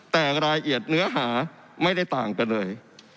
แต่รายละเอียดเนื้อหาไม่ได้ต่างกันเลย